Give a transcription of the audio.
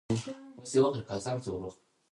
ازادي راډیو د بانکي نظام په اړه د نوښتونو خبر ورکړی.